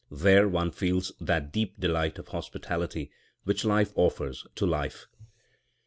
There one feels that deep delight of hospitality which life offers to life.